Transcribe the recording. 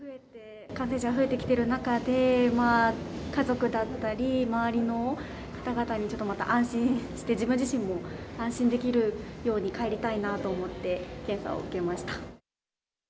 感染者増えてきてる中で、家族だったり、周りの方々にちょっとまた安心して、自分自身も安心できるように帰りたいなと思って、検査を受けました。